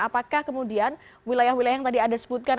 apakah kemudian wilayah wilayah yang tadi anda sebutkan